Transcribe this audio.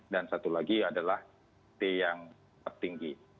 dan satu lagi adalah t yang tertinggi